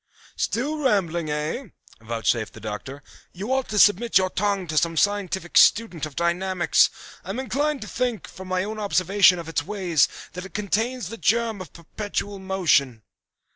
"Still rambling, eh?" vouchsafed the Doctor. "You ought to submit your tongue to some scientific student of dynamics. I am inclined to think, from my own observation of its ways, that it contains the germ of perpetual motion."